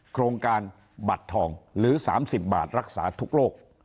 โครงการบัตรทองหรือ๓๐บาทรักษาทุกโรค